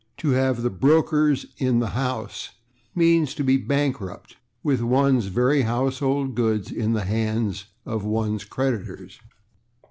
/To have the brokers/ /in the house/ means to be bankrupt, with one's very household goods in the hands of one's creditors.